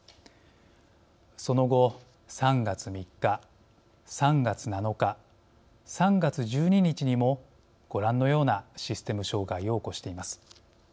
その後、３月３日３月７日、３月１２日にもご覧のようなシステム障害を起こしています。